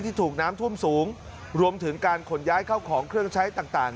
ถูกน้ำท่วมสูงรวมถึงการขนย้ายเข้าของเครื่องใช้ต่าง